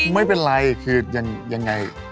ไม่เป็นไรคือยังไง